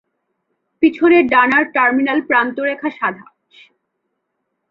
পিছনের ডানার টার্মিনাল প্রান্তরেখা সাদা।